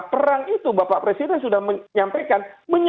perang itu bapak presiden sudah menyampaikan